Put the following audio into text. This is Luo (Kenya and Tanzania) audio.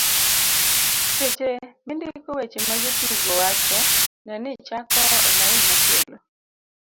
seche mindiko weche ma jotugo wacho, ne ni ichako e lain machielo